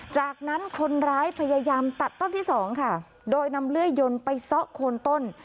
จากนั้นคนร้ายพยายามตัดต้นที่สองค่ะโดยนำเลื่อยยนต์ไปซะโคนต้น